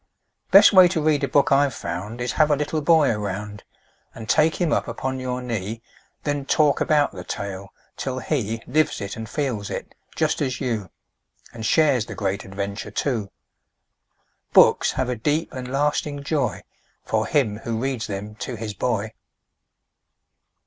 Best way to read a book I've found Is have a little boy around And take him up upon your knee; Then talk about the tale, till he Lives it and feels it, just as you, And shares the great adventure, too. Books have a deep and lasting joy For him who reads them to his boy.